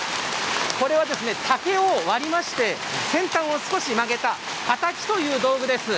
これは、竹を割りまして先端を少し曲げた「たたき」という道具です。